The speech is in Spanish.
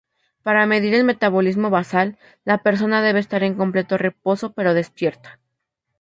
Para medir el metabolismo basal, la persona debe estar en completo reposo pero despierta.